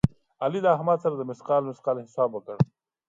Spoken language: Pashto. علي د احمد سره د مثقال مثقال حساب وکړ.